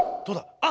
あっ！